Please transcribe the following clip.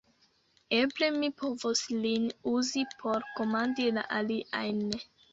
Eble mi povos lin uzi, por komandi la aliajn!